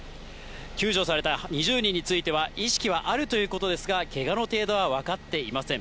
救助された２０人については、意識はあるということですが、けがの程度は分かっていません。